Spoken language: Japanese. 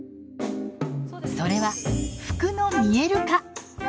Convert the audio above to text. それは服の見える化。